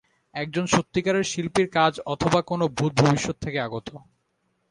একজন সত্যিকারের শিল্পীর কাজ অথবা কোন ভূত, ভবিষ্যৎ থেকে আগত।